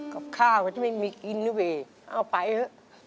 กับข้าก็จะไม่มีกินด้วยเอาไปเถอะ